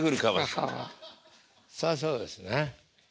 そらそうですね。